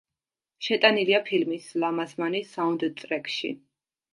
შეტანილია ფილმის „ლამაზმანი“ საუნდტრეკში.